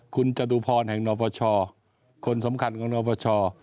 คุณจตุพรแห่งนปชคนสำคัญของนปช